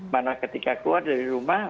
mana ketika keluar dari rumah